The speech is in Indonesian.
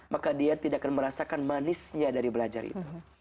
maka dia tidak akan merasakan manisnya dari belajar itu